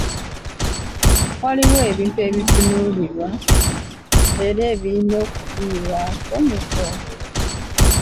Waliwo ebintu ebitunuulirwa era ebirina okufiibwako mu kwogera .